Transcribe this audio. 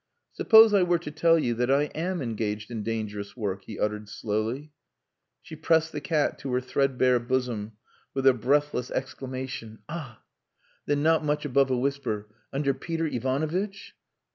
"Suppose I were to tell you that I am engaged in dangerous work?" he uttered slowly. She pressed the cat to her threadbare bosom with a breathless exclamation. "Ah!" Then not much above a whisper: "Under Peter Ivanovitch?"